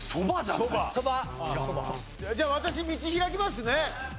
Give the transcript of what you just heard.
じゃあ私道開きますね。